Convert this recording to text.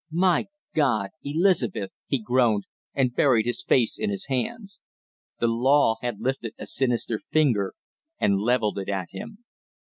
"My God, Elizabeth " he groaned and buried his face in his hands. The law had lifted a sinister finger and leveled it at him.